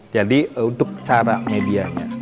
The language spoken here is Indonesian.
jadi untuk cara medianya